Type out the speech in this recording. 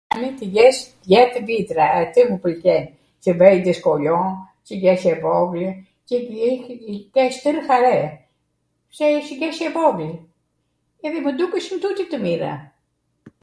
[ahjer] qw jesh dhjetw vitra, atw mw pwlqen, qw vej ndw skolio, qw jesh e voglw, qw kesh twrw hare, pse ish jesh e vogwl, edhe mw dukeshin tuti tw mira.